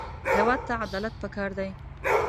هېواد ته عدالت پکار دی